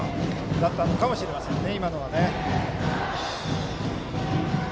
だったのかもしれませんね。